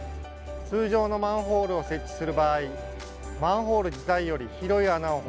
通常のマンホールを設置する場合マンホール自体より広い穴を掘り